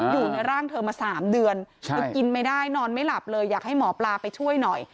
อยู่ในร่างเธอมา๓เดือนเธอกินไม่ได้นอนไม่หลับเลยอยากให้หมอปลาไปช่วยหน่อย